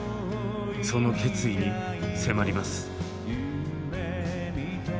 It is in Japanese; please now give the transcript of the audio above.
その決意に迫ります。